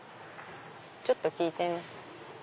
ちょっと聞いてみます。